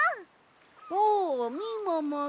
おおみももくん。